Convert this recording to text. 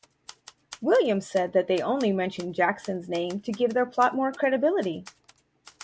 Williams said that they only mentioned Jackson's name to give their plot more credibility.